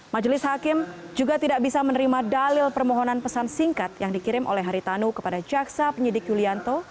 majelis hakim juga tidak bisa menerima dalil permohonan pesan singkat yang dikirim oleh haritanu kepada jaksa penyidik yulianto